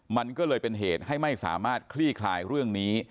มันก็เลยเป็นเหตุให้ไม่สามารถคลี่คลายเรื่องนี้